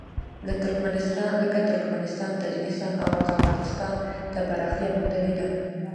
لکه ترکمنستان، تاجکستان او قرغېزستان ته پراختیا موندلې ده.